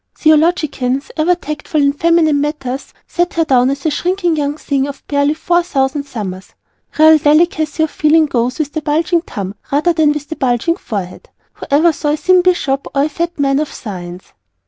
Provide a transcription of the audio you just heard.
Theologians, ever tactful in feminine matters, set her down as a shrinking young thing of barely four thousand summers. Real delicacy of feeling goes with the bulging tum rather than with the bulging forehead; who ever saw a thin Bishop or a fat man of science!